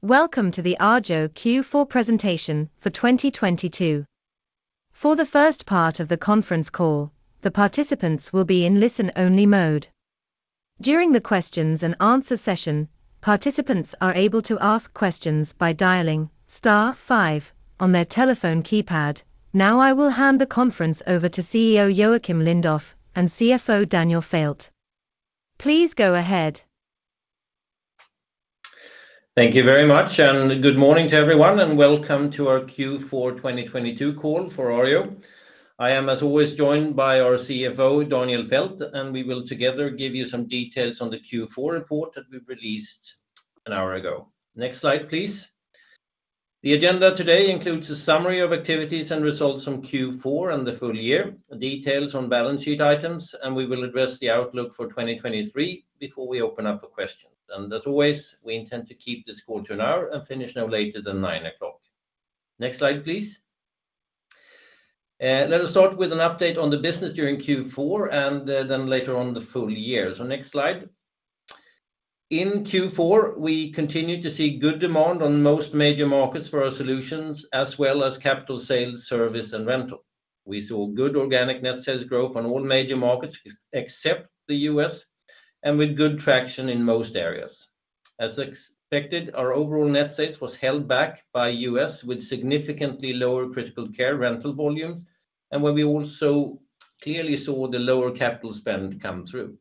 Welcome to the Arjo Q4 presentation for 2022. For the first part of the conference call, the participants will be in listen-only mode. During the questions and answer session, participants are able to ask questions by dialing star five on their telephone keypad. Now I will hand the conference over to CEO Joacim Lindoff and CFO Daniel Fäldt. Please go ahead. Thank you very much. Good morning to everyone, and welcome to our Q4 2022 call for Arjo. I am, as always, joined by our CFO, Daniel Fäldt. We will together give you some details on the Q4 report that we released an hour ago. Next slide, please. The agenda today includes a summary of activities and results from Q4 and the full year, details on balance sheet items. We will address the outlook for 2023 before we open up for questions. As always, we intend to keep this call to an hour and finish no later than 9:00 A.M. Next slide, please. Let us start with an update on the business during Q4. Then later on the full year. Next slide. In Q4, we continued to see good demand on most major markets for our solutions, as well as capital sales, service, and rental. We saw good organic net sales growth on all major markets except the U.S. and with good traction in most areas. As expected, our overall net sales was held back by U.S. with significantly lower critical care rental volumes and where we also clearly saw the lower capital spend come through.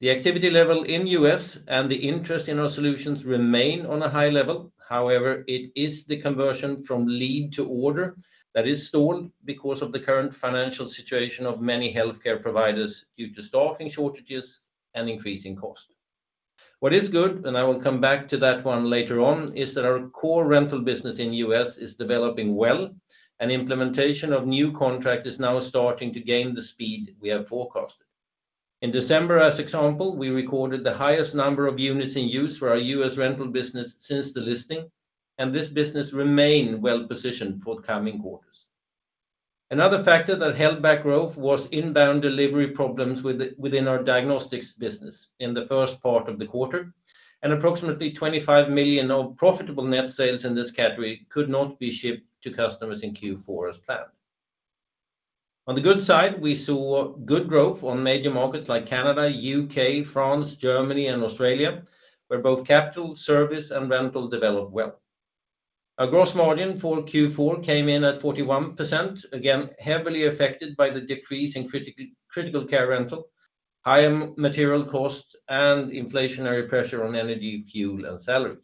The activity level in U.S. and the interest in our solutions remain on a high level. However, it is the conversion from lead to order that is stalled because of the current financial situation of many healthcare providers due to staffing shortages and increasing costs. What is good, and I will come back to that one later on, is that our core rental business in U.S. is developing well, and implementation of new contract is now starting to gain the speed we have forecasted. In December, as example, we recorded the highest number of units in use for our U.S. rental business since the listing, and this business remain well-positioned for the coming quarters. Another factor that held back growth was inbound delivery problems within our diagnostics business in the first part of the quarter. Approximately 25 millions of profitable net sales in this category could not be shipped to customers in Q4 as planned. On the good side, we saw good growth on major markets like Canada, U.K., France, Germany, and Australia, where both capital, service, and Our gross margin for Q4 came in at 41%, again, heavily affected by the decrease in critical care rental, higher material costs, and inflationary pressure on energy, fuel, and salaries.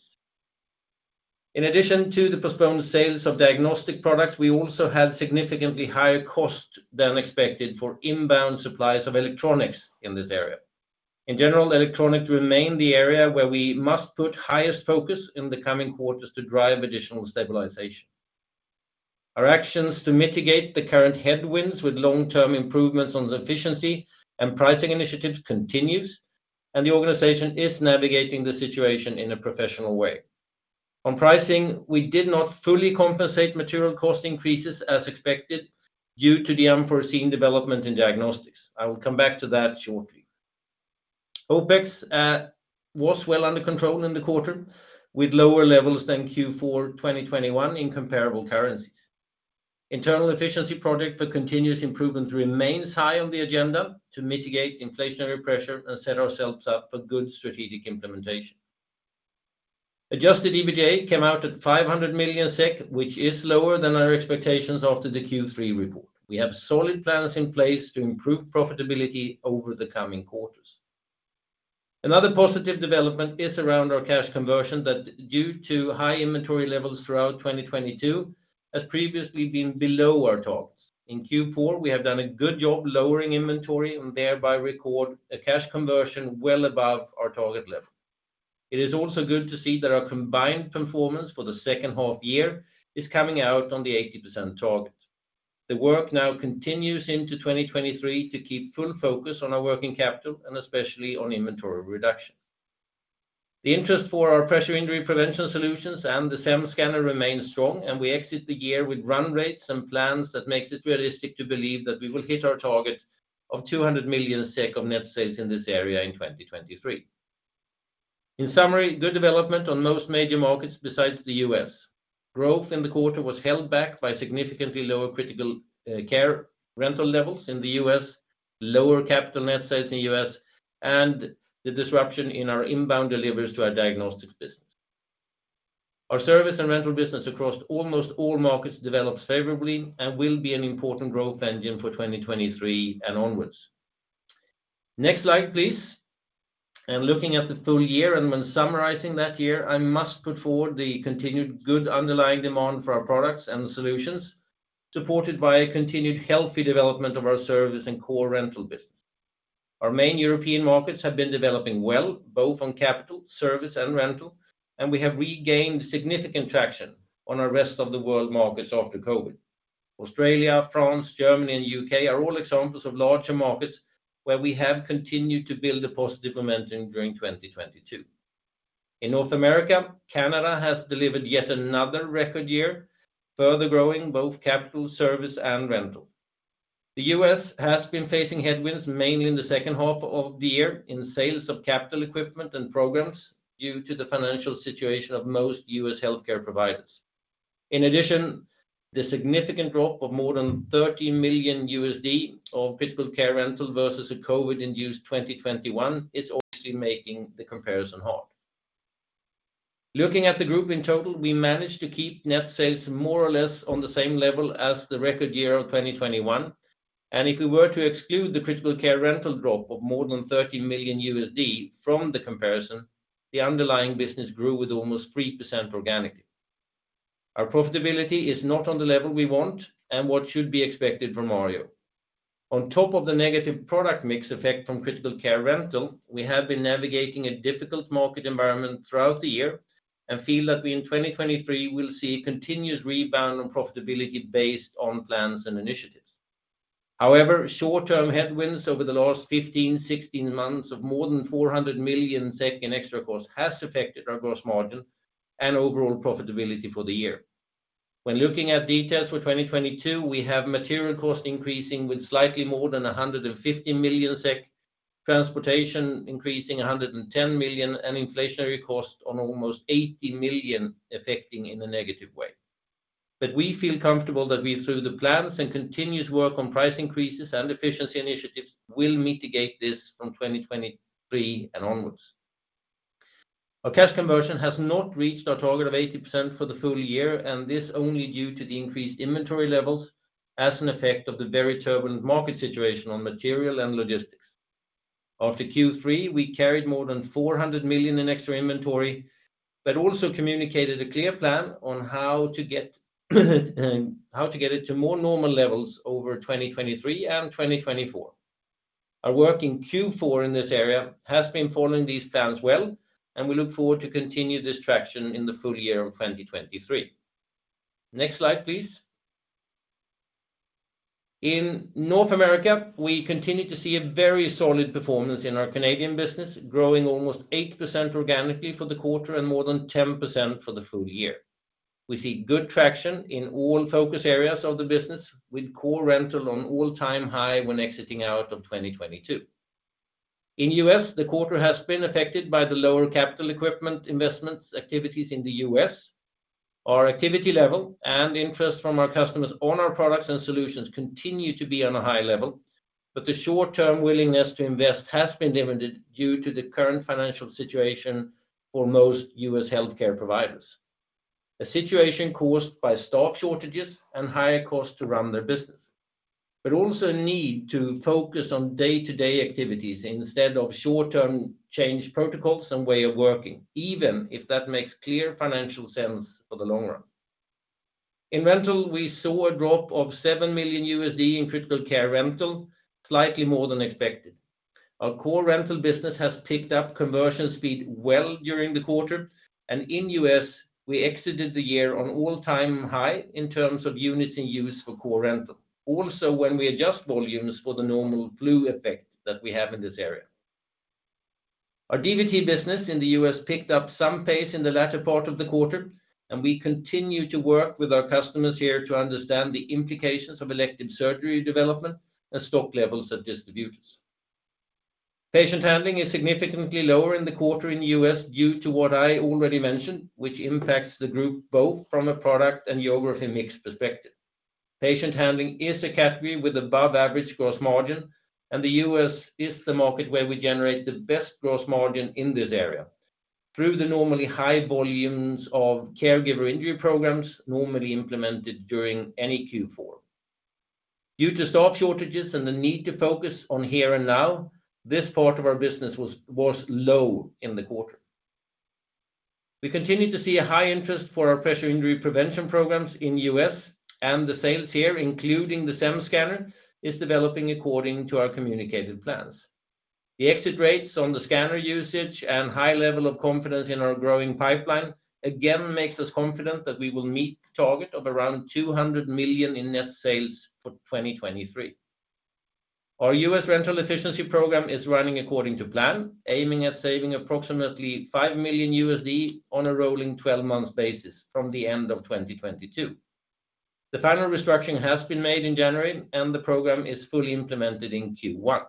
In addition to the postponed sales of diagnostic products, we also had significantly higher costs than expected for inbound supplies of electronics in this area. In general, electronics remain the area where we must put highest focus in the coming quarters to drive additional stabilization. Our actions to mitigate the current headwinds with long-term improvements on the efficiency and pricing initiatives continues, and the organization is navigating the situation in a professional way. On pricing, we did not fully compensate material cost increases as expected due to the unforeseen development in diagnostics. I will come back to that shortly. OpEx was well under control in the quarter, with lower levels than Q4 2021 in comparable currencies. Internal efficiency project for continuous improvement remains high on the agenda to mitigate inflationary pressure and set ourselves up for good strategic implementation. Adjusted EBITDA came out at 500 millions SEK, which is lower than our expectations after the Q3 report. We have solid plans in place to improve profitability over the coming quarters. Another positive development is around our cash conversion that, due to high inventory levels throughout 2022, has previously been below our targets. In Q4, we have done a good job lowering inventory and thereby record a cash conversion well above our target level. It is also good to see that our combined performance for the second 1/2 year is coming out on the 80% target. The work now continues into 2023 to keep full focus on our working capital and especially on inventory reduction. The interest for our Pressure Injury Prevention solutions and the SEM Scanner remains strong, and we exit the year with run rates and plans that makes it realistic to believe that we will hit our target of 200 millions SEK of net sales in this area in 2023. In summary, good development on most major markets besides the U.S. Growth in the quarter was held back by significantly lower critical care rental levels in the U.S., lower capital net sales in the U.S., and the disruption in our inbound deliveries to our diagnostics business. Our service and rental business across almost all markets developed favorably and will be an important growth engine for 2023 and onwards. Next slide, please. Looking at the full year and when summarizing that year, I must put forward the continued good underlying demand for our products and solutions, supported by a continued healthy development of our service and core rental business. Our main European markets have been developing well, both on capital, service, and rental, and we have regained significant traction on our rest of the world markets after COVID. Australia, France, Germany, and U.K. are all examples of larger markets where we have continued to build a positive momentum during 2022. In North America, Canada has delivered yet another record year, further growing both capital, service, and rental. The U.S. has been facing headwinds mainly in the second 1/2 of the year in sales of capital equipment and programs due to the financial situation of most U.S. Healthcare providers. The significant drop of more than $13 millions of critical care rental versus a COVID induced 2021 is obviously making the comparison hard. Looking at the group in total, we managed to keep net sales more or less on the same level as the record year of 2021. If we were to exclude the critical care rental drop of more than $13 millions from the comparison, the underlying business grew with almost 3% organically. Our profitability is not on the level we want and what should be expected from Arjo. On top of the negative product mix effect from critical care rental, we have been navigating a difficult market environment throughout the year and feel that we in 2023 will see continuous rebound on profitability based on plans and initiatives. Short term headwinds over the last 15, 16 months of more than 400 millions in extra cost has affected our gross margin and overall profitability for the year. Looking at details for 2022, we have material costs increasing with slightly more than 150 millions SEK, transportation increasing 110 millions, and inflationary costs on almost 80 million affecting in a negative way. We feel comfortable that we, through the plans and continued work on price increases and efficiency initiatives, will mitigate this from 2023 and onwards. Our cash conversion has not reached our target of 80% for the full year, this only due to the increased inventory levels as an effect of the very turbulent market situation on material and logistics. After Q3, we carried more than 400 millions in extra inventory. Also communicated a clear plan on how to get it to more normal levels over 2023 and 2024. Our work in Q4 in this area has been following these plans well. We look forward to continue this traction in the full year of 2023. Next slide, please. In North America, we continue to see a very solid performance in our Canadian business, growing almost 8% organically for the quarter and more than 10% for the full year. We see good traction in all focus areas of the business with core rental on all-time high when exiting out of 2022. In U.S., the quarter has been affected by the lower capital equipment investments activities in the U.S. Our activity level and interest from our customers on our products and solutions continue to be on a high level. The short-term willingness to invest has been limited due to the current financial situation for most US healthcare providers. A situation caused by stock shortages and higher costs to run their business, but also need to focus on day-to-day activities instead of short-term change protocols and way of working, even if that makes clear financial sense for the long run. In rental, we saw a drop of $7 millions in critical care rental, slightly more than expected. Our core rental business has picked up conversion speed well during the quarter, and in U.S. we exited the year on all-time high in terms of units in use for core rental. When we adjust volumes for the normal flu effect that we have in this area. Our DVT business in the U.S. picked up some pace in the latter part of the quarter. We continue to work with our customers here to understand the implications of elective surgery development and stock levels at distributors. Patient Handling is significantly lower in the quarter in the U.S. due to what I already mentioned, which impacts the group both from a product and geography mix perspective. Patient Handling is a category with above average gross margin. The U.S. is the market where we generate the best gross margin in this area through the normally high volumes of caregiver injury programs normally implemented during any Q4. Due to stock shortages and the need to focus on here and now, this part of our business was low in the quarter. We continue to see a high interest for our Pressure Injury Prevention programs in the U.S. The sales here, including the SEM Scanner, is developing according to our communicated plans. The exit rates on the scanner usage and high level of confidence in our growing pipeline again makes us confident that we will meet the target of around 200 millions in net sales for 2023. Our U.S. rental efficiency program is running according to plan, aiming at saving approximately $5 millions on a rolling 12 months basis from the end of 2022. The final restructuring has been made in January and the program is fully implemented in Q1.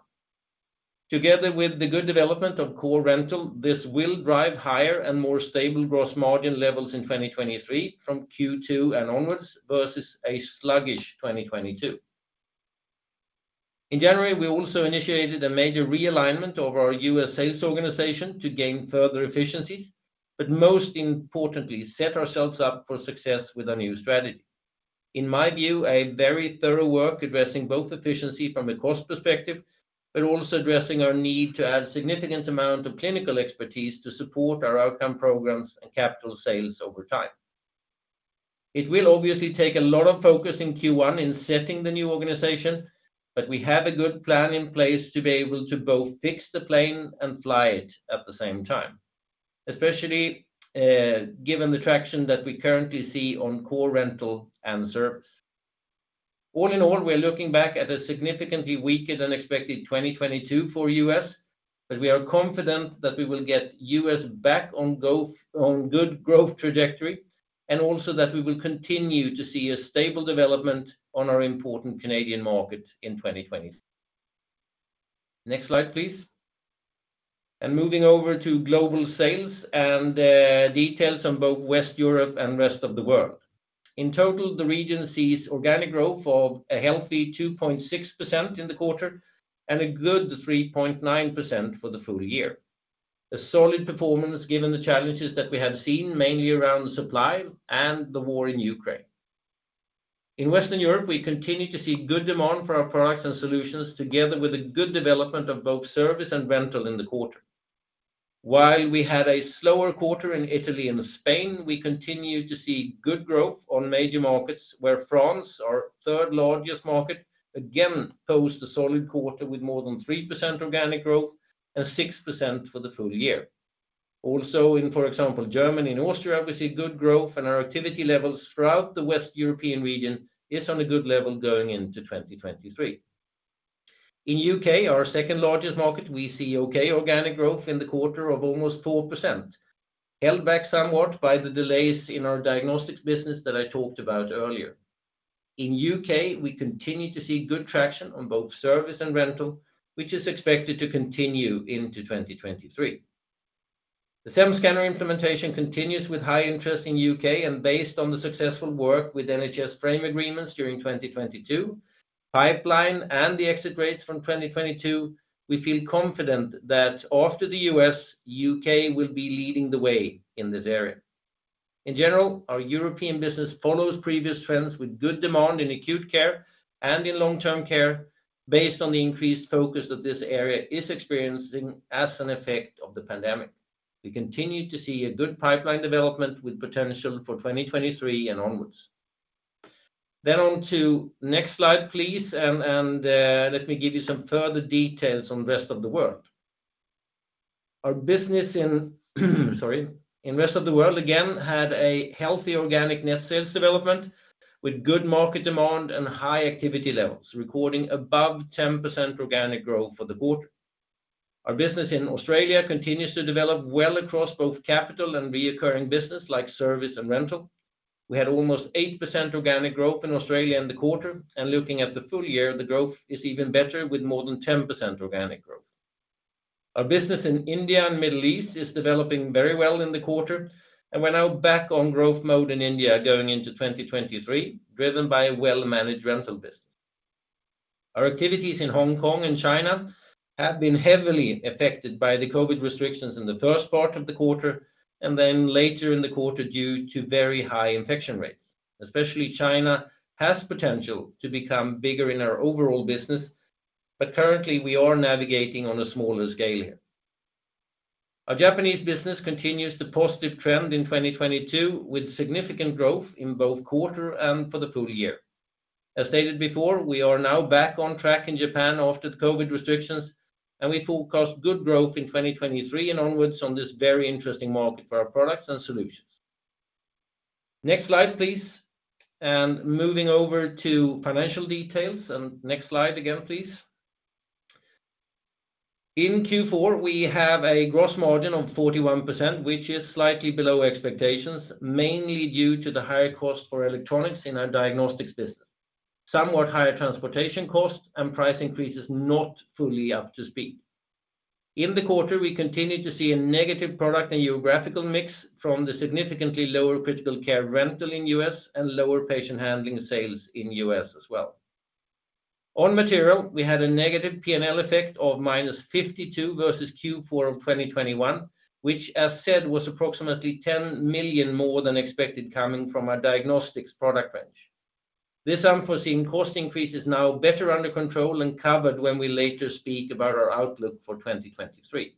Together with the good development of core rental, this will drive higher and more stable gross margin levels in 2023 from Q2 and onwards versus a sluggish 2022. In January, we also initiated a major realignment of our U.S. sales organization to gain further efficiencies, but most importantly, set ourselves up for success with our new strategy. In my view, a very thorough work addressing both efficiency from a cost perspective, but also addressing our need to add significant amount of clinical expertise to support our outcome programs and capital sales over time. It will obviously take a lot of focus in Q1 in setting the new organization, but we have a good plan in place to be able to both fix the plane and fly it at the same time, especially given the traction that we currently see on core rental and service. All in all, we're looking back at a significantly weaker than expected 2022 for U.S. We are confident that we will get U.S. back on growth on good growth trajectory, and also that we will continue to see a stable development on our important Canadian market in 2020. Next slide, please. Moving over to global sales and details on both Western Europe and rest of the world. In total, the region sees organic growth of a healthy 2.6% in the quarter and a good 3.9% for the full year. A solid performance given the challenges that we have seen mainly around supply and the war in Ukraine. In Western Europe, we continue to see good demand for our products and solutions together with a good development of both service and rental in the quarter. While we had a slower quarter in Italy and Spain, we continue to see good growth on major markets where France, our third largest market, again posed a solid quarter with more than 3% organic growth and 6% for the full year. Also in, for example, Germany and Austria, we see good growth, and our activity levels throughout the West European region is on a good level going into 2023. In U.K., our second-largest market, we see okay organic growth in the quarter of almost 4%, held back somewhat by the delays in our diagnostics business that I talked about earlier. In U.K., we continue to see good traction on both service and rental, which is expected to continue into 2023. The SEM Scanner implementation continues with high interest in U.K. Based on the successful work with NHS frame agreements during 2022, pipeline and the exit rates from 2022, we feel confident that after the U.S., U.K. will be leading the way in this area. In general, our European business follows previous trends with good demand in acute care and in long-term care based on the increased focus that this area is experiencing as an effect of the pandemic. We continue to see a good pipeline development with potential for 2023 and onwards. On to next slide, please, let me give you some further details on rest of the world. Our business in, sorry, in rest of the world again had a healthy organic net sales development with good market demand and high activity levels, recording above 10% organic growth for the quarter. Our business in Australia continues to develop well across both capital and reoccurring business like service and rental. We had almost 8% organic growth in Australia in the quarter. Looking at the full year, the growth is even better with more than 10% organic growth. Our business in India and Middle East is developing very well in the quarter. We're now back on growth mode in India going into 2023, driven by a well-managed rental business. Our activities in Hong Kong and China have been heavily affected by the COVID restrictions in the first part of the quarter and then later in the quarter due to very high infection rates. Especially China has potential to become bigger in our overall business, but currently, we are navigating on a smaller scale here. Our Japanese business continues the positive trend in 2022 with significant growth in both quarter and for the full year. As stated before, we are now back on track in Japan after the COVID restrictions, and we forecast good growth in 2023 and onwards on this very interesting market for our products and solutions. Next slide, please. Moving over to financial details, and next slide again, please. In Q4, we have a gross margin of 41%, which is slightly below expectations, mainly due to the higher cost for electronics in our diagnostics business, somewhat higher transportation costs, and price increases not fully up to speed. In the quarter, we continue to see a negative product and geographical mix from the significantly lower critical care rental in U.S. and lower Patient Handling sales in U.S. as well. On material, we had a negative P&L effect of - 52 versus Q4 of 2021, which as said, was approximately 10 millions more than expected coming from our diagnostics product range. This unforeseen cost increase is now better under control and covered when we later speak about our outlook for 2023.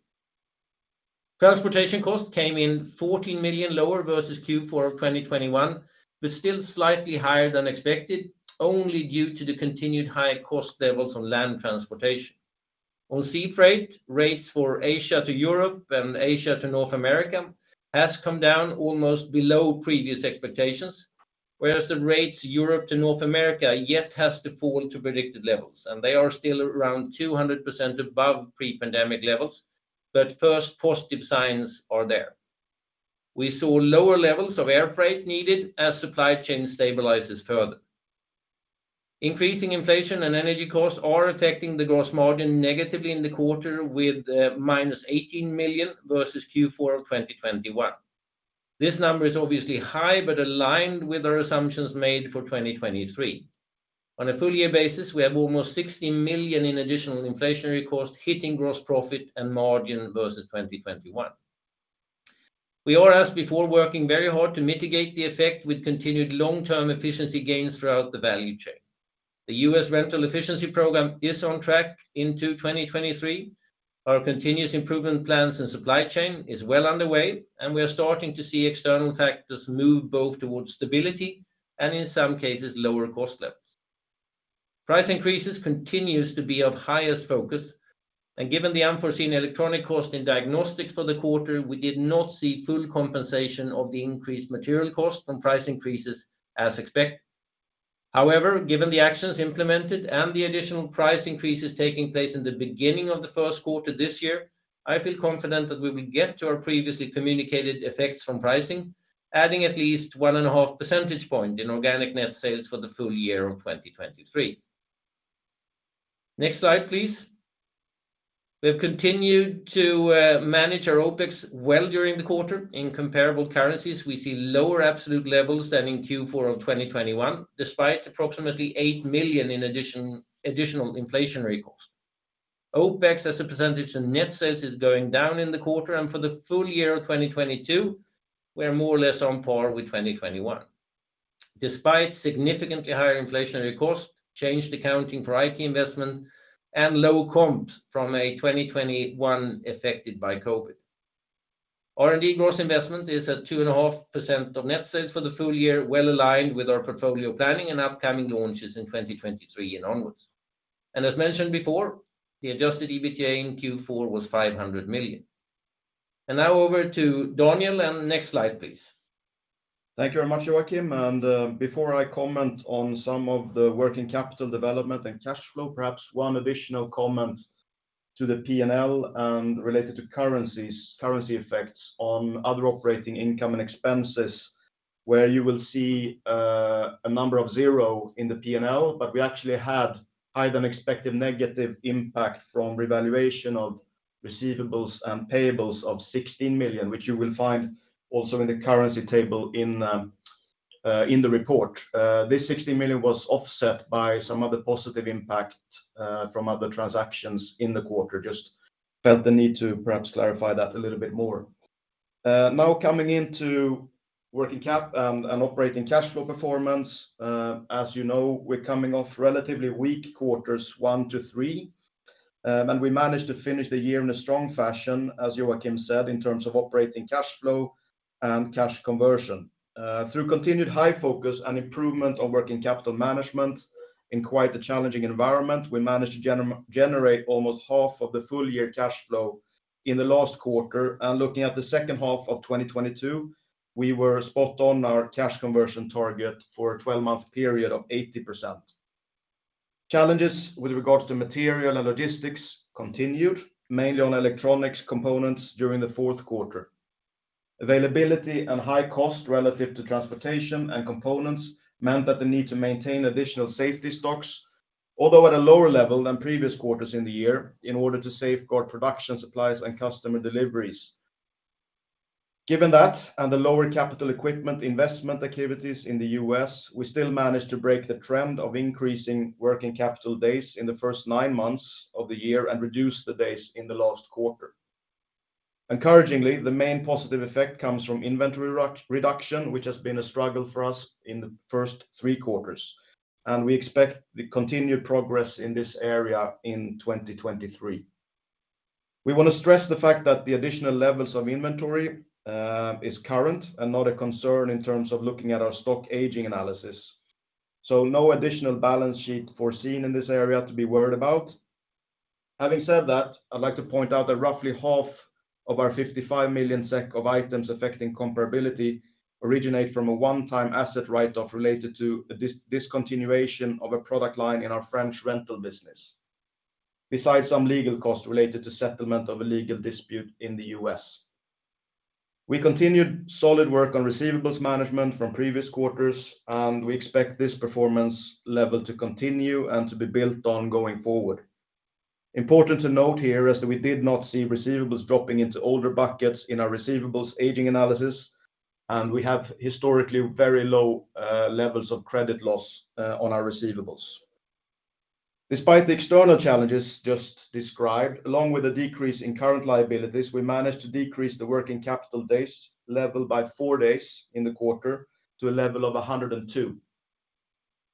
Transportation costs came in 14 millions lower versus Q4 of 2021, but still slightly higher than expected, only due to the continued high cost levels on land transportation. On sea freight, rates for Asia to Europe and Asia to North America has come down almost below previous expectations, whereas the rates Europe to North America yet has to fall to predicted levels, and they are still around 200% above pre-pandemic levels, but first positive signs are there. We saw lower levels of air freight needed as supply chain stabilizes further. Increasing inflation and energy costs are affecting the gross margin negatively in the quarter with - 18 millions versus Q4 of 2021. This number is obviously high but aligned with our assumptions made for 2023. On a full year basis, we have almost 60 millions in additional inflationary costs hitting gross profit and margin versus 2021. We are, as before, working very hard to mitigate the effect with continued long-term efficiency gains throughout the value chain. The U.S. rental efficiency program is on track into 2023. Our continuous improvement plans and supply chain is well underway, and we are starting to see external factors move both towards stability and in some cases, lower cost levels. Price increases continues to be of highest focus. Given the unforeseen electronic cost in diagnostics for the quarter, we did not see full compensation of the increased material costs from price increases as expected. However, given the actions implemented and the additional price increases taking place in the beginning of the first quarter this year, I feel confident that we will get to our previously communicated effects from pricing, adding at least 1.5% point in organic net sales for the full year of 2023. Next slide, please. We have continued to manage our OpEx well during the quarter. In comparable currencies, we see lower absolute levels than in Q4 of 2021, despite approximately 8 millions in additional inflationary costs. OpEx as a % of net sales is going down in the quarter, and for the full year of 2022, we are more or less on par with 2021 despite significantly higher inflationary costs, changed accounting for IT investment and low comps from a 2021 affected by COVID. R&D gross investment is at 2.5% of net sales for the full year, well aligned with our portfolio planning and upcoming launches in 2023 and onwards. As mentioned before, the adjusted EBITDA in Q4 was 500 millions. Now over to Daniel. Next slide, please. Thank you very much, Joacim. Before I comment on some of the working capital development and cash flow, perhaps one additional comment to the P&L and related to currencies, currency effects on other operating income and expenses, where you will see a number of zero in the P&L. We actually had higher than expected negative impact from revaluation of receivables and payables of 16 millions, which you will find also in the currency table in the report. This 16 millions was offset by some other positive impact from other transactions in the quarter. Just felt the need to perhaps clarify that a little bit more. Now coming into working cap and operating cash flow performance. As you know, we're coming off relatively weak quarters one to three, and we managed to finish the year in a strong fashion, as Joacim said, in terms of operating cash flow and cash conversion. Through continued high focus and improvement on working capital management in quite a challenging environment, we managed to generate almost 1/2 of the full year cash flow in the last quarter. Looking at the second 1/2 of 2022, we were spot on our cash conversion target for a 12-month period of 80%. Challenges with regards to material and logistics continued, mainly on electronics components during the fourth quarter. Availability and high cost relative to transportation and components meant that the need to maintain additional safety stocks, although at a lower level than previous quarters in the year, in order to safeguard production supplies and customer deliveries. Given that and the lower capital equipment investment activities in the U.S., we still managed to break the trend of increasing working capital days in the first nine months of the year and reduce the days in the last quarter. Encouragingly, the main positive effect comes from inventory reduction, which has been a struggle for us in the first three quarters, and we expect the continued progress in this area in 2023. We want to stress the fact that the additional levels of inventory is current and not a concern in terms of looking at our stock aging analysis. No additional balance sheet foreseen in this area to be worried about. Having said that, I'd like to point out that roughly 1/2 of our 55 millions SEK of items affecting comparability originate from a one-time asset write-off related to a discontinuation of a product line in our French rental business, besides some legal costs related to settlement of a legal dispute in the U.S. We continued solid work on receivables management from previous quarters, and we expect this performance level to continue and to be built on going forward. Important to note here is that we did not see receivables dropping into older buckets in our receivables aging analysis, and we have historically very low levels of credit loss on our receivables. Despite the external challenges just described, along with a decrease in current liabilities, we managed to decrease the working capital days level by four days in the quarter to a level of 102.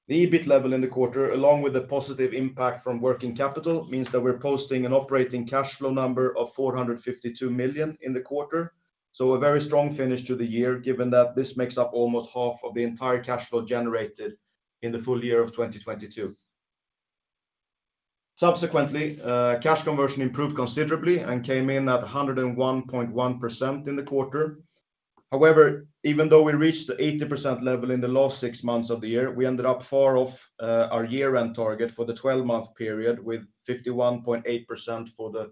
The EBIT level in the quarter, along with the positive impact from working capital, means that we're posting an operating cash flow number of 452 millions in the quarter. A very strong finish to the year, given that this makes up almost 1/2 of the entire cash flow generated in the full year of 2022. Subsequently, cash conversion improved considerably and came in at 101.1% in the quarter. However, even though we reached the 80% level in the last six months of the year, we ended up far off our year-end target for the twelve-month period with 51.8% for the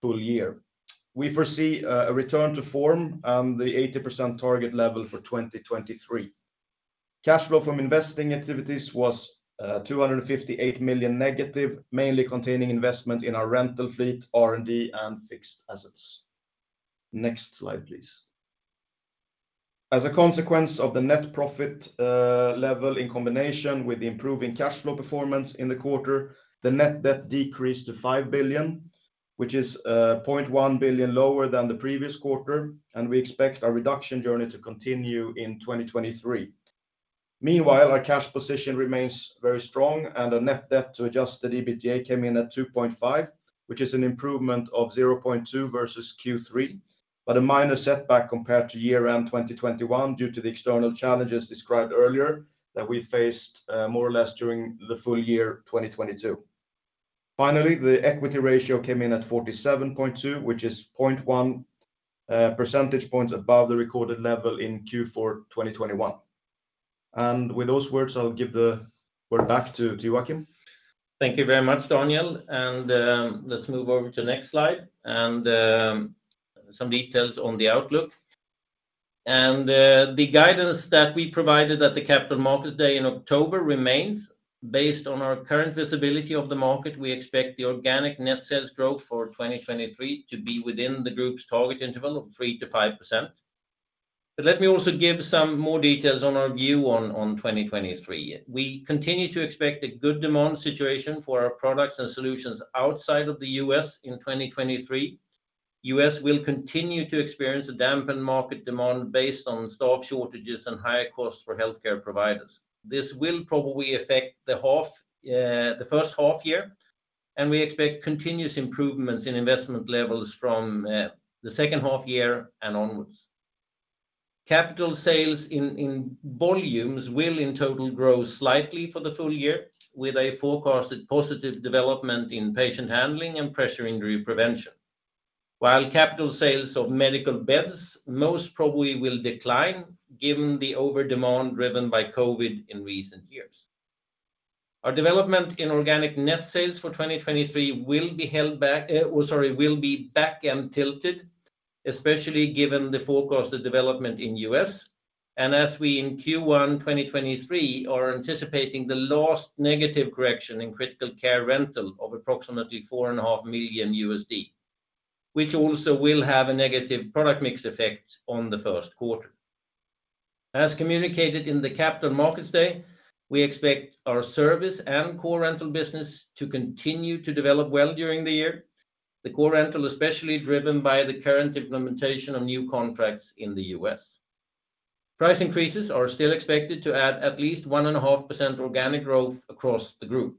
full year. We foresee a return to form and the 80% target level for 2023. Cash flow from investing activities was 258 millions negative, mainly containing investment in our rental fleet, R&D and fixed assets. Next slide, please. As a consequence of the net profit level in combination with improving cash flow performance in the quarter, the net debt decreased to 5 billion, which is 0.1 billion lower than the previous quarter, and we expect our reduction journey to continue in 2023. Meanwhile, our cash position remains very strong and our Net Debt to Adjusted EBITDA came in at 2.5, which is an improvement of 0.2 versus Q3, but a minor setback compared to year-end 2021 due to the external challenges described earlier that we faced more or less during the full year 2022. Finally, the equity ratio came in at 47.2, which is 0.1% points above the recorded level in Q4 2021. With those words, I'll give the floor back to Joacim. Thank you very much, Daniel. Let's move over to the next slide and some details on the outlook. The guidance that we provided at the Capital Markets Day in October remains. Based on our current visibility of the market, we expect the organic net sales growth for 2023 to be within the group's target interval of 3%-5%. Let me also give some more details on our view on 2023. We continue to expect a good demand situation for our products and solutions outside of the U.S. in 2023. U.S. will continue to experience a dampened market demand based on stock shortages and higher costs for healthcare providers. This will probably affect the first 1/2 year, and we expect continuous improvements in investment levels from the second 1/2 year and onwards. Capital sales in volumes will in total grow slightly for the full year, with a forecasted positive development in Patient Handling and Pressure Injury Prevention. While capital sales of Medical beds most probably will decline given the over-demand driven by COVID in recent years. Our development in organic net sales for 2023 will be held back, will be back-end tilted, especially given the forecasted development in U.S. As we in Q1 2023 are anticipating the last negative correction in critical care rental of approximately $4.5 millions, which also will have a negative product mix effect on the first quarter. As communicated in the Capital Markets Day, we expect our service and core rental business to continue to develop well during the year. The core rental, especially driven by the current implementation of new contracts in the U.S. Price increases are still expected to add at least 1.5% organic growth across the group.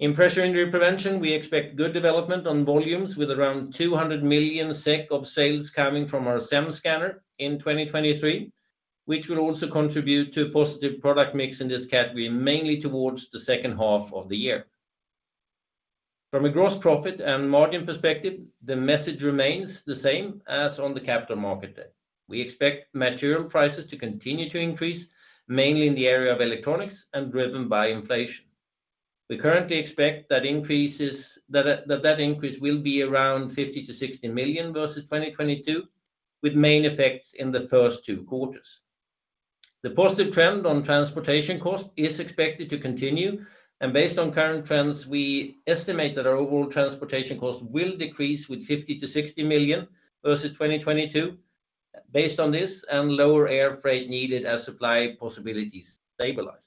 In Pressure Injury Prevention, we expect good development on volumes with around 200 millions SEK of sales coming from our SEM Scanner in 2023, which will also contribute to a positive product mix in this category, mainly towards the second 1/2 of the year. From a gross profit and margin perspective, the message remains the same as on the Capital Markets Day. We expect material prices to continue to increase, mainly in the area of electronics and driven by inflation. We currently expect that increase will be around 50 millions-60 millions versus 2022, with main effects in the first two quarters. The positive trend on transportation costs is expected to continue, based on current trends, we estimate that our overall transportation costs will decrease with 50 millions-60 millions versus 2022 based on this and lower air freight needed as supply possibilities stabilize.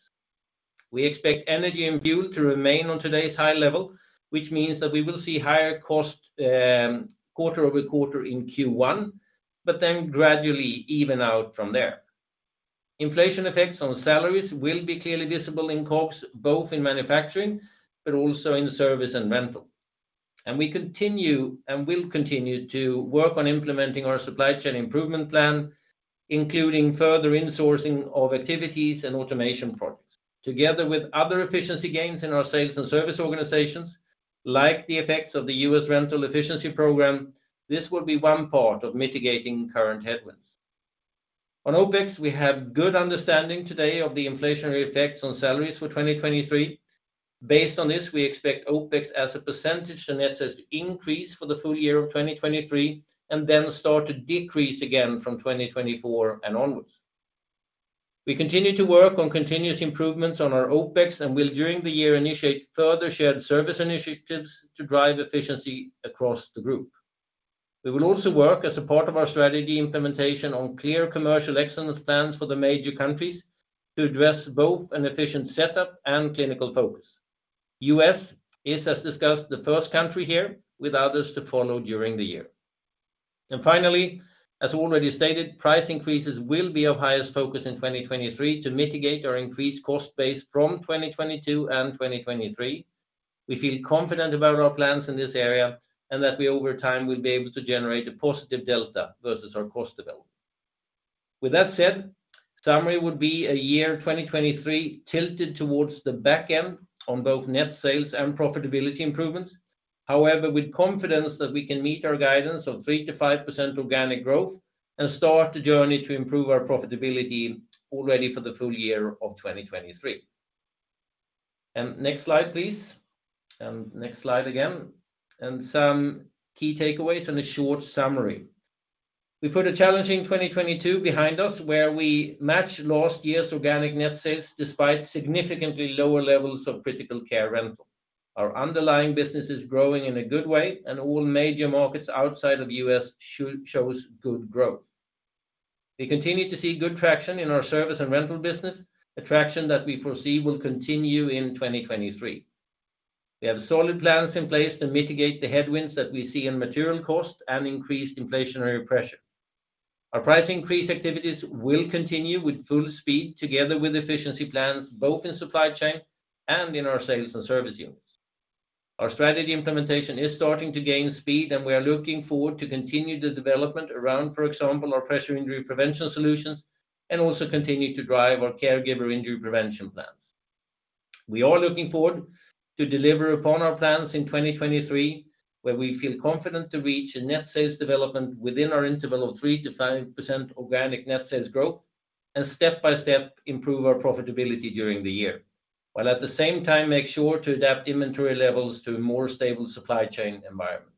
We expect energy and fuel to remain on today's high level, which means that we will see higher costs quarter-over-quarter in Q1, but then gradually even out from there. Inflation effects on salaries will be clearly visible in COGS, both in manufacturing, but also in service and rental. We continue, and will continue to work on implementing our supply chain improvement plan, including further insourcing of activities and automation projects. Together with other efficiency gains in our sales and service organizations, like the effects of the U.S. rental efficiency program, this will be one part of mitigating current headwinds. On OpEx, we have good understanding today of the inflationary effects on salaries for 2023. Based on this, we expect OpEx as a % to net sales to increase for the full year of 2023 and then start to decrease again from 2024 and onwards. We continue to work on continuous improvements on our OpEx and will during the year initiate further shared service initiatives to drive efficiency across the group. We will also work as a part of our strategy implementation on clear commercial excellence plans for the major countries to address both an efficient setup and clinical focus. U.S. Is, as discussed, the first country here, with others to follow during the year. Finally, as already stated, price increases will be of highest focus in 2023 to mitigate our increased cost base from 2022 and 2023. We feel confident about our plans in this area and that we over time will be able to generate a positive delta versus our cost development. With that said, summary would be a year 2023 tilted towards the back end on both net sales and profitability improvements. With confidence that we can meet our guidance of 3%-5% organic growth and start the journey to improve our profitability already for the full year of 2023. Next slide, please. Next slide again. Some key takeaways and a short summary. We put a challenging 2022 behind us where we matched last year's organic net sales despite significantly lower levels of critical care rental. Our underlying business is growing in a good way, and all major markets outside of U.S. shows good growth. We continue to see good traction in our service and rental business, a traction that we foresee will continue in 2023. We have solid plans in place to mitigate the headwinds that we see in material costs and increased inflationary pressure. Our price increase activities will continue with full speed together with efficiency plans both in supply chain and in our sales and service units. Our strategy implementation is starting to gain speed. We are looking forward to continue the development around, for example, our Pressure Injury Prevention solutions, and also continue to drive our caregiver injury prevention plans. We are looking forward to deliver upon our plans in 2023, where we feel confident to reach a net sales development within our interval of 3%-5% organic net sales growth, and step-by-step improve our profitability during the year. At the same time, make sure to adapt inventory levels to a more stable supply chain environment.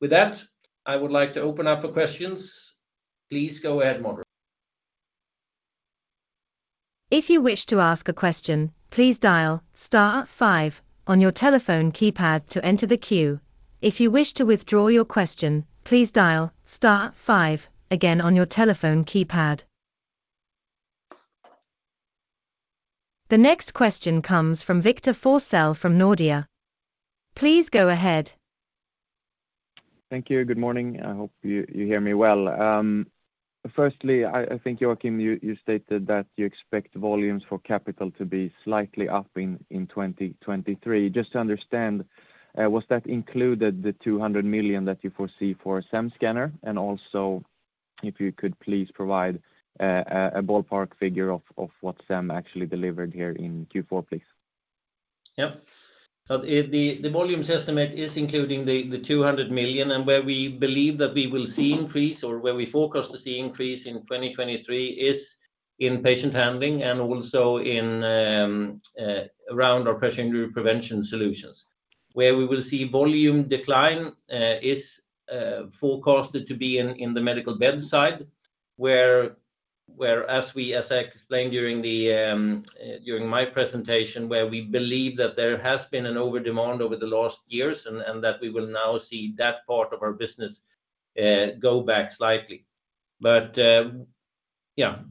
With that, I would like to open up for questions. Please go ahead, moderator. If you wish to ask a question, please dial star five on your telephone keypad to enter the queue. If you wish to withdraw your question, please dial star five again on your telephone keypad. The next question comes from Victor Forssell from Nordea. Please go ahead. Thank you. Good morning. I hope you hear me well. Firstly, I think, Joacim, you stated that you expect volumes for capital to be slightly up in 2023. Just to understand, was that included the 200 millions that you foresee for SEM Scanner? Also if you could please provide a ballpark figure of what SEM actually delivered here in Q4, please. The volumes estimate is including the 200 millions and where we believe that we will see increase or where we forecast to see increase in 2023 is in Patient Handling and also in around our Pressure Injury Prevention solutions. Where we will see volume decline is forecasted to be in the medical bedside, where as I explained during my presentation, where we believe that there has been an overdemand over the last years and that we will now see that part of our business go back slightly.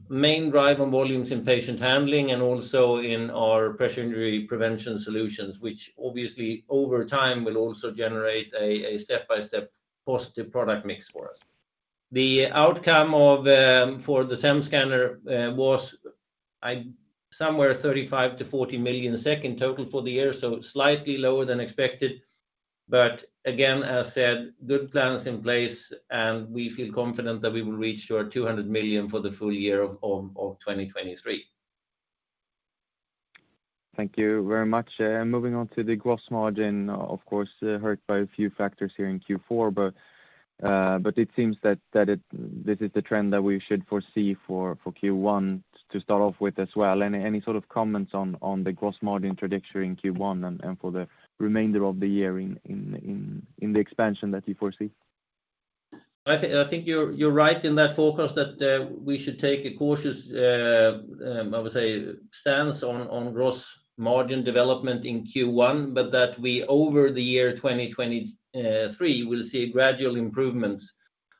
Main drive on volumes in Patient Handling and also in our Pressure Injury Prevention solutions, which obviously over time will also generate a step-by-step positive product mix for us. The outcome of for the SEM Scanner was somewhere 35 millions-40 millions total for the year, so slightly lower than expected. Again, as I said, good plans in place, and we feel confident that we will reach our 200 millions for the full year of 2023. Thank you very much. Moving on to the gross margin, of course, hurt by a few factors here in Q4. It seems that This is the trend that we should foresee for Q1 to start off with as well. Any sort of comments on the gross margin trajectory in Q1 and for the remainder of the year in the expansion that you foresee? I think you're right in that forecast that we should take a cautious I would say, stance on gross margin development in Q1, but that we over the year 2023 will see gradual improvements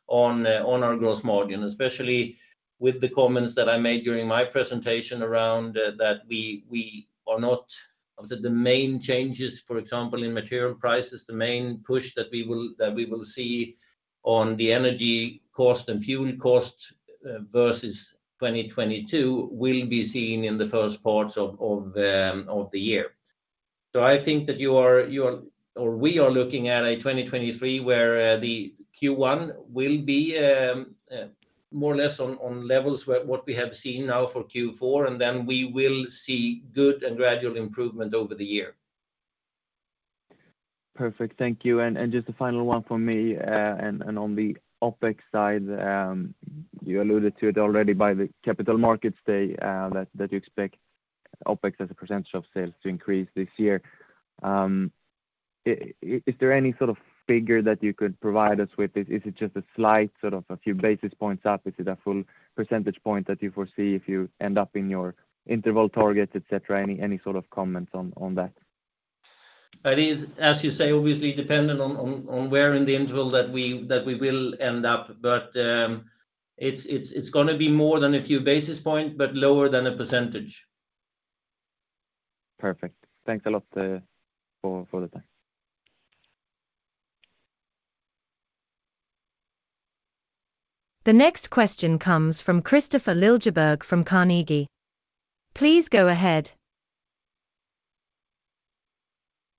on our gross margin. Especially with the comments that I made during my presentation around that we are not of the main changes, for example, in material prices, the main push that we will see on the energy cost and fuel costs versus 2022 will be seen in the first parts of the year. I think that you are... We are looking at a 2023 where the Q1 will be more or less on levels what we have seen now for Q4, and then we will see good and gradual improvement over the year. Perfect. Thank you. Just a final one for me. On the OpEx side, you alluded to it already by the Capital Markets Day, that you expect OpEx as a % of sales to increase this year. Is there any sort of figure that you could provide us with? Is it just a slight, sort of a few basis points up? Is it a full % point that you foresee if you end up in your interval targets, et cetera? Any, any sort of comments on that? It is, as you say, obviously dependent on where in the interval that we will end up. It's gonna be more than a few basis points, but lower than a %. Perfect. Thanks a lot, for the time The next question comes from Kristofer Liljeberg from Carnegie. Please go ahead.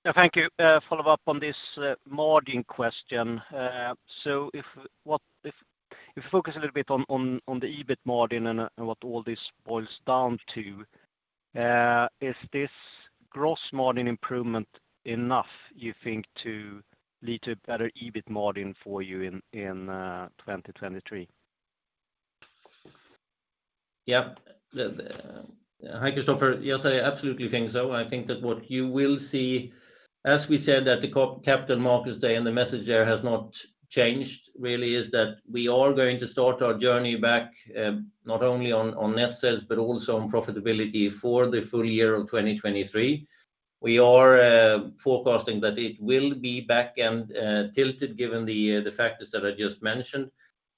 Yeah, thank you. Follow up on this margin question. If you focus a little bit on the EBIT margin and what all this boils down to, is this gross margin improvement enough, you think, to lead to a better EBIT margin for you in 2023? Hi, Kristofer. Yes, I absolutely think so. I think that what you will see, as we said at the Capital Markets Day, the message there has not changed really, is that we are going to start our journey back, not only on net sales, but also on profitability for the full year of 2023. We are forecasting that it will be back and tilted given the factors that I just mentioned,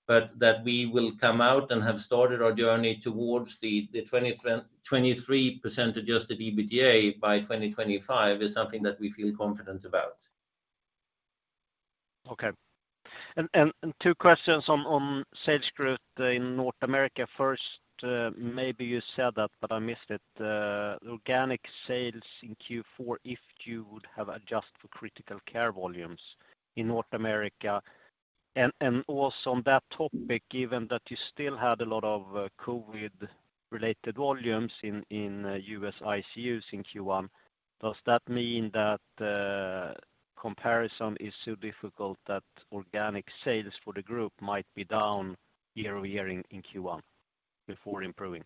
that we will come out and have started our journey towards the 23% adjusted EBITDA by 2025 is something that we feel confident about. Okay. Two questions on sales growth in North America. First, maybe you said that, but I missed it. The organic sales in Q4 if you would have adjusted for critical care volumes in North America. Also on that topic, given that you still had a lot of COVID-related volumes in U.S. ICUs in Q1, does that mean that the comparison is so difficult that organic sales for the group might be down year-over-year in Q1 before improving?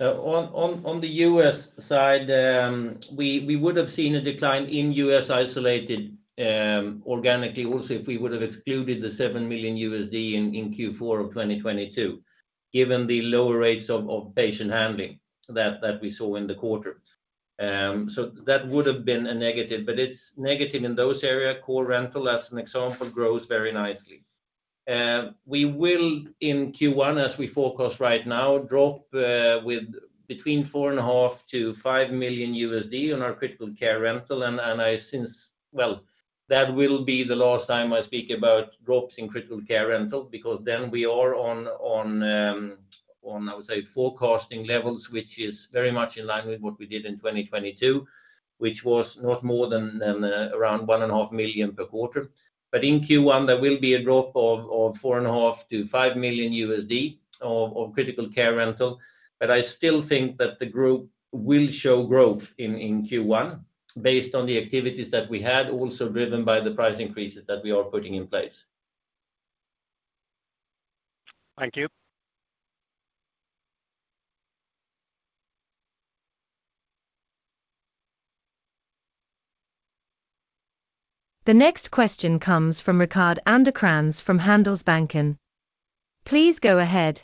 On the U.S. side, we would have seen a decline in U.S. isolated, organically also if we would have excluded the $7 millions USD in Q4 of 2022, given the lower rates of Patient Handling that we saw in the quarter. That would have been a negative, but it's negative in those areas. Core rental, as an example, grows very nicely. We will in Q1, as we forecast right now, drop with between $4.5 millions- $5 millions USD on our Critical care rental. I since... Well, that will be the last time I speak about drops in critical care rental because then we are on, I would say, forecasting levels, which is very much in line with what we did in 2022, which was not more than around $1.5 Million per quarter. In Q1, there will be a drop of $4.5 millions-$5 millions USD of critical care rental. I still think that the group will show growth in Q1 based on the activities that we had also driven by the price increases that we are putting in place. Thank you. The next question comes from Rickard Anderkrans from Handelsbanken. Please go ahead.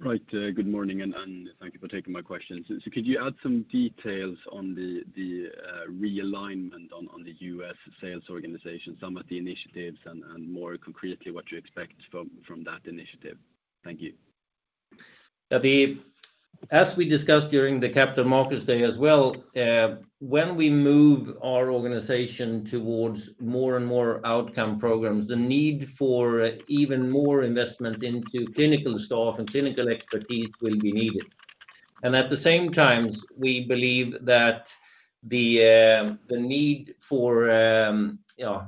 Right. Good morning, and thank you for taking my questions. Could you add some details on the realignment on the U.S. sales organization, some of the initiatives and more concretely, what you expect from that initiative? Thank you. As we discussed during the Capital Markets Day as well, when we move our organization towards more and more outcome programs, the need for even more investment into clinical staff and clinical expertise will be needed. At the same time, we believe that the need for, you know,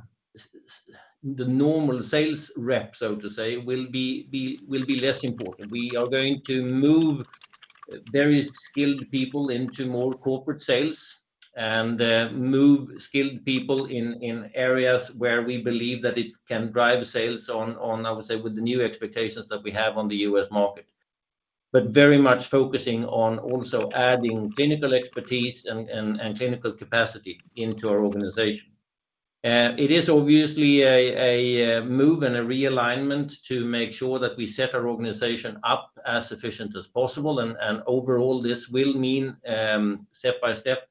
the normal sales rep, so to say, will be less important. We are going to move very skilled people into more corporate sales and move skilled people in areas where we believe that it can drive sales on, I would say, with the new expectations that we have on the U.S. market. Very much focusing on also adding clinical expertise and clinical capacity into our organization. It is obviously a move and a realignment to make sure that we set our organization up as efficient as possible. Overall, this will mean, step by step,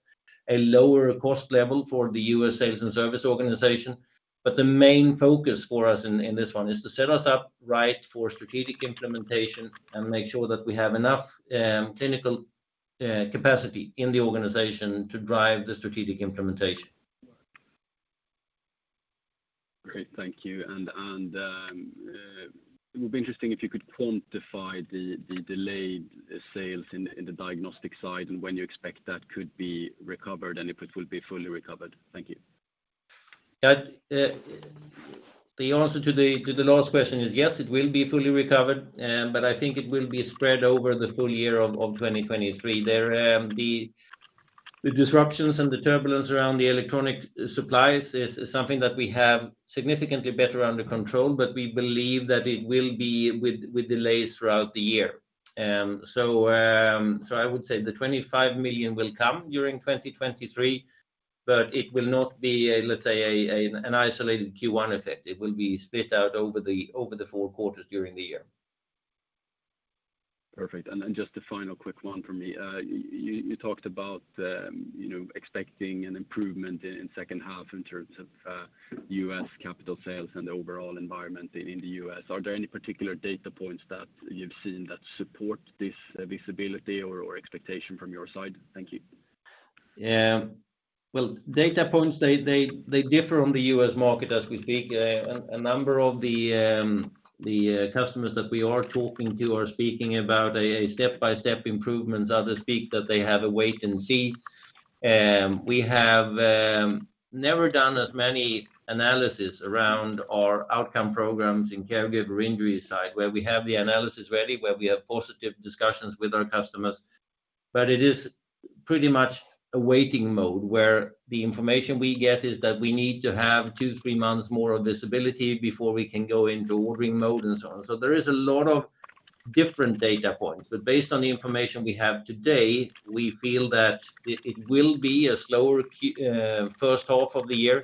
a lower cost level for the U.S. sales and service organization. The main focus for us in this one is to set us up right for strategic implementation and make sure that we have enough clinical capacity in the organization to drive the strategic implementation. Great. Thank you. It would be interesting if you could quantify the delayed sales in the diagnostics side and when you expect that could be recovered and if it will be fully recovered. Thank you. That the answer to the last question is yes, it will be fully recovered, but I think it will be spread over the full year of 2023. The disruptions and the turbulence around the electronic supplies is something that we have significantly better under control, but we believe that it will be with delays throughout the year. I would say the 25 millions will come during 2023, but it will not be a, let's say, an isolated Q1 effect. It will be split out over the four quarters during the year. Perfect. Just a final quick one for me. You know, expecting an improvement in second 1/2 in terms of U.S. capital sales and the overall environment in the U.S. Are there any particular data points that you've seen that support this visibility or expectation from your side? Thank you. Yeah. Well, data points, they differ on the U.S. market as we speak. A number of the customers that we are talking to are speaking about a step-by-step improvement. Others speak that they have a wait and see. We have never done as many analysis around our outcome programs in caregiver injury site where we have the analysis ready, where we have positive discussions with our customers. It is pretty much a waiting mode where the information we get is that we need to have two, three months more of visibility before we can go into ordering mode and so on. There is a lot of different data points. Based on the information we have today, we feel that it will be a slower first 1/2 of the year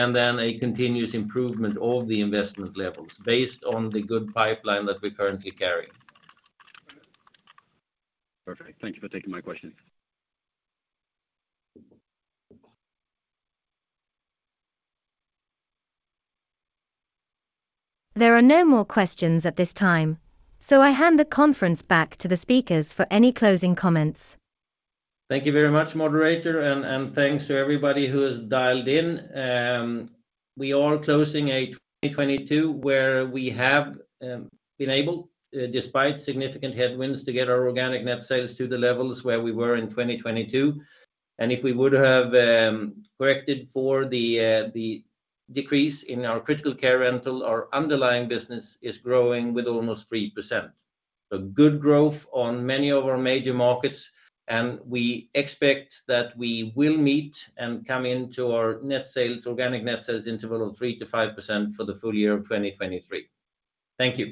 and then a continuous improvement of the investment levels based on the good pipeline that we currently carry. Perfect. Thank you for taking my question. There are no more questions at this time, so I hand the conference back to the speakers for any closing comments. Thank you very much, moderator, and thanks to everybody who has dialed in. We are closing a 2022 where we have been able, despite significant headwinds, to get our organic net sales to the levels where we were in 2022. If we would have corrected for the decrease in our critical care rental, our underlying business is growing with almost 3%. A good growth on many of our major markets, we expect that we will meet and come into our net sales, organic net sales interval of 3%-5% for the full year of 2023. Thank you.